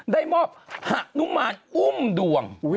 ได้มอบหะนุมานอุ้มดวง